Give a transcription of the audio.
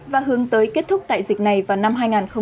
và hướng tới kết thúc tại dịch này vào năm hai nghìn ba mươi